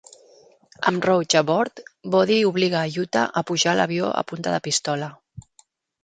Amb Roach a bord, Bodhi obliga a Utah a pujar a l'avió a punta de pistola.